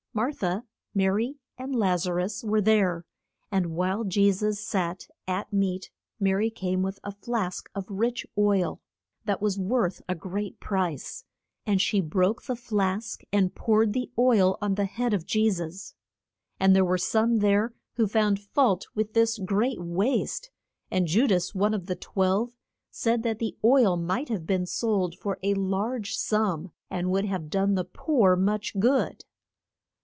Mar tha, Ma ry, and Laz a rus were there, and while Je sus sat at meat Ma ry came with a flask of rich oil, that was worth a great price. And she broke the flask and poured the oil on the head of Je sus. And there were some there who found fault with this great waste, and Ju das one of the twelve said that the oil might have been sold for a large sum that would have done the poor much good.